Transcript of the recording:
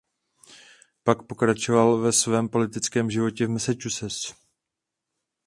Pak pokračoval ve svém politickém životě v Massachusetts.